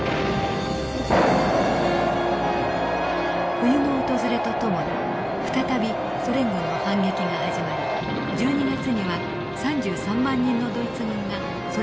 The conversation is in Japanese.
冬の訪れとともに再びソ連軍の反撃が始まり１２月には３３万人のドイツ軍がソ連軍に包囲されました。